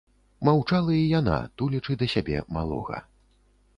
Маўчала і яна, тулячы да сябе малога.